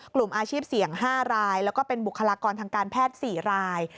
กลุ่มอาชีพเสี่ยง๕รายแล้วก็เป็นบุคลากรทางการแพทย์๔ราย